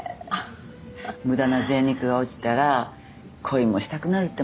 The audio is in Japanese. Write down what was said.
無駄な贅肉が落ちたら恋もしたくなるってものよ。